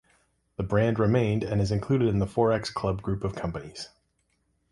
The brand remained and is included in the Forex Club group of companies.